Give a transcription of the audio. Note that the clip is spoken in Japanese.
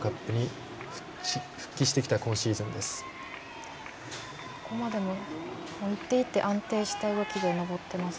４シーズン振りにワールドカップ復帰してきた今シーズンです。